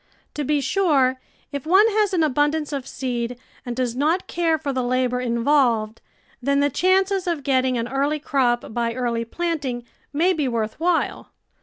To be sure, if one has an abundance of seed and does not care for the labour involved, then the chances of getting an early crop by early planting may be worth while.